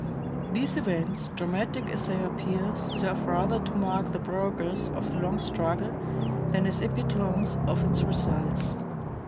These events, dramatic as they appear, serve rather to mark the progress of the long struggle than as epitomes of its results.